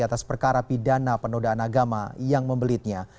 atas perkara pidana penodaan agama yang membelitnya